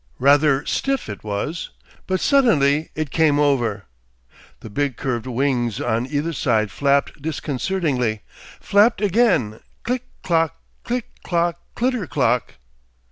Rather stiff it was, but suddenly it came over The big curved wings on either side flapped disconcertingly, flapped again' click, clock, click, clock, clitter clock!